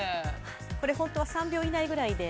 これ、本当は３秒以内ぐらいで。